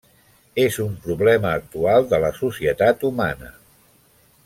És un problema actual de la societat humana.